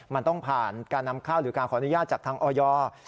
มันต้องผ่านการนำเข้าหรือการขออนุญาตจากทางออย